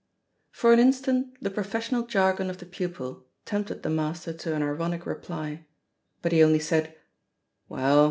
For an instant the professional jargon of the pupil tempted the master to an ironic reply. But he only said, "Well!